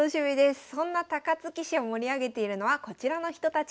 そんな高槻市を盛り上げているのはこちらの人たちです。